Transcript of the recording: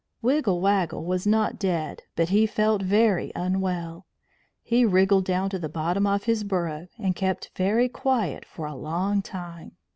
Wiggle Waggle was not dead, but he felt very unwell. He wriggled down to the bottom of his burrow, and kept very quiet for a long time.